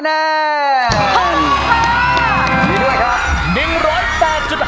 มีด้วยครับ